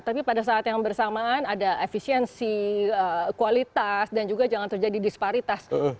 tapi pada saat yang bersamaan ada efisiensi kualitas dan juga jangan terjadi disparitas